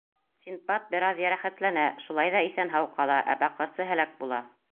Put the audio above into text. Синдбад бер аҙ йәрәхәтләнә, шулай ҙа иҫән-һау ҡала, ә баҡырсы һәләк була.